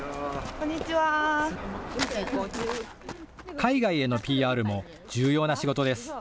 海外へのＰＲも重要な仕事です。